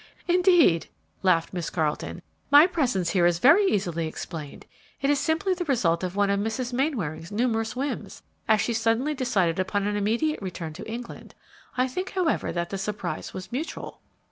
"Indeed!" laughed Miss Carleton; "my presence here is very easily explained. It is simply the result of one of Mrs. Mainwaring's numerous whims, as she suddenly decided upon an immediate return to England. I think, however, that the surprise was mutual."